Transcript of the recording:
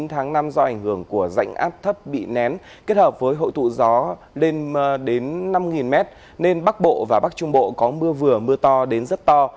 chín tháng năm do ảnh hưởng của rãnh áp thấp bị nén kết hợp với hội tụ gió lên đến năm m nên bắc bộ và bắc trung bộ có mưa vừa mưa to đến rất to